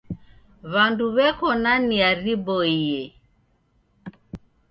W'andu w'eko na nia riboie.